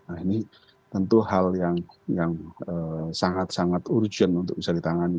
nah ini tentu hal yang sangat sangat urgent untuk bisa ditangani